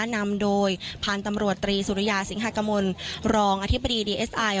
นำโดยพันธุ์ตำรวจตรีสุริยาสิงหากมลรองอธิบดีดีเอสไอ